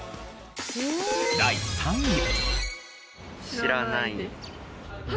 第３位。